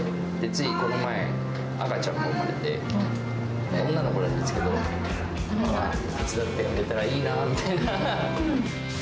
ついこの前、赤ちゃんも産まれて、女の子なんですけど、手伝ってくれたらいいなみたいな。